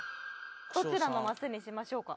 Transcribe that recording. どちらのマスにしましょうか？